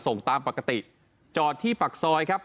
ส่งตามปกติจอดที่ปากซอยครับ